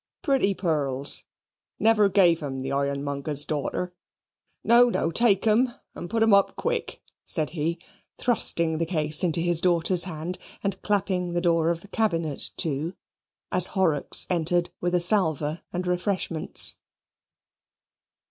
Pretty pearls never gave 'em the ironmonger's daughter. No, no. Take 'em and put 'em up quick," said he, thrusting the case into his daughter's hand, and clapping the door of the cabinet to, as Horrocks entered with a salver and refreshments.